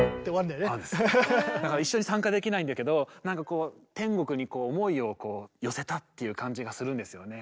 だから一緒に参加できないんだけどなんかこう天国に思いをこう寄せたっていう感じがするんですよね。